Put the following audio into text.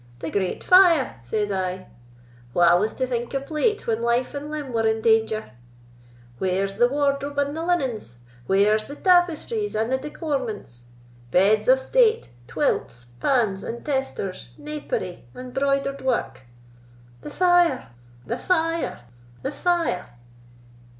'The great fire,' says I; 'wha was to think of plate, when life and limb were in danger?' 'Where's the wardrobe and the linens?—where's the tapestries and the decorements?—beds of state, twilts, pands and testors, napery and broidered wark?' 'The fire—the fire—the fire.